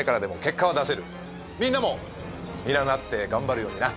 みんなも見習って頑張るようにな。